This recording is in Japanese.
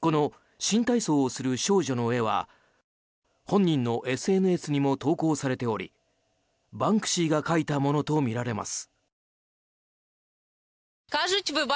この新体操をする少女の絵は本人のＳＮＳにも投稿されておりバンクシーが描いたものとみられます。